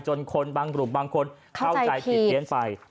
คนบางกลุ่มบางคนเข้าใจผิดเพี้ยนไป